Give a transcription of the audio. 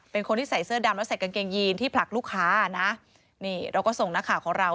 เป็นคนที่ใส่เสื้อดำแล้วใส่กางเกงยีนที่ผลักลูกค้านะนี่เราก็ส่งนักข่าวของเรา